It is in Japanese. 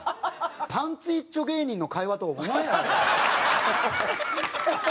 パンツ一丁芸人の会話とは思えないね。